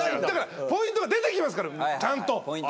ポイントが出てきますからちゃんと。